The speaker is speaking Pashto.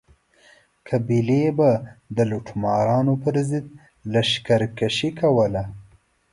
قبیلې به د لوټمارانو پر ضد لښکر کشي کوله.